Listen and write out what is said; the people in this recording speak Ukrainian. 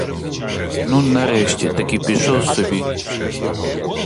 Ну, нарешті, таки пішов собі!